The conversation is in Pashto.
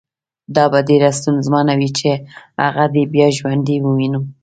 دا به ډېره ستونزمنه وي چې هغه دې بیا ژوندی ووینم